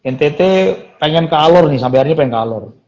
ntt pengen ke alor nih sampai harinya pengen ke alor